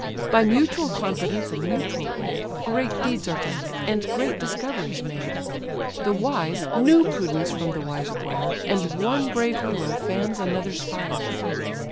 By mutual confidence and mutual aid, Great deeds are done, and great discoveries made; The wise new prudence from the wise acquire, And one brave hero fans another's fire."